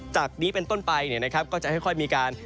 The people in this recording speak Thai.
จากนี้เป็นต้นไปก็จะค่อยมีการ